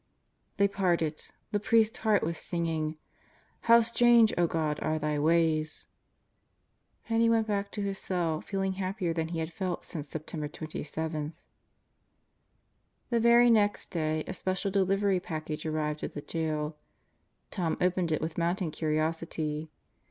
They parted. The priest's heart was singing: "How strange, God, are Thy ways!" Penney went back to his cell feeling happier than he had felt since September 27. The very next day a Special Delivery package arrived at the Jail. Tom opened it with mounting curiosity.